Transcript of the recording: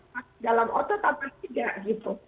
masuk ke dalam otot atau tidak gitu